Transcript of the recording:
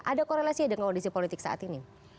ada korelasi dengan kondisi politik saat ini